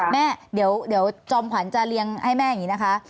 แม่เดี๋ยวจอมขวัญจะเลี้ยงให้แม่อย่างนี้นะคะ